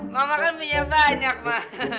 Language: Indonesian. mama kan punya banyak pak